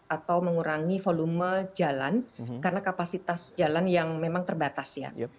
atau mengurangi volume jalan karena kapasitas jalan yang memang terbatas ya